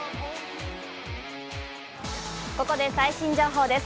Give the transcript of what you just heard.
ここで最新情報です。